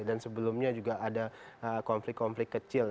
dan sebelumnya juga ada konflik konflik kecil